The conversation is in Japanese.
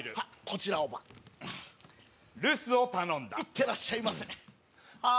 こちらをば留守を頼んだ行ってらっしゃいませあ